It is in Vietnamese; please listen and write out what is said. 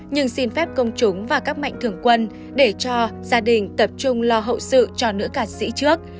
nhưng xin phép công chúng và các mạnh thường quân để cho gia đình tập trung lo hậu sự cho nữ ca sĩ trước